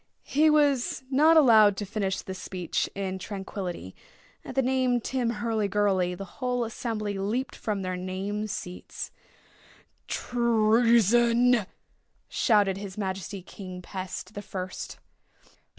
He was not allowed to finish this speech in tranquillity. At the name Tim Hurlygurly the whole assembly leaped from their name seats. "Treason!" shouted his Majesty King Pest the First.